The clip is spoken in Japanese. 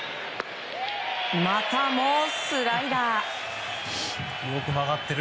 またもスライダー！